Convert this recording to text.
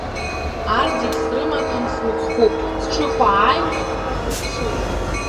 Арҭ зегь срымаҭәам смыцхәуп, сҽыхәа ааиуеит ҳәа сыԥшуп.